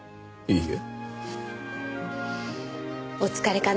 いいえ。